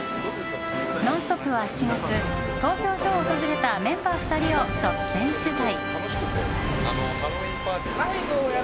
「ノンストップ！」は７月投票所を訪れたメンバー２人を独占取材。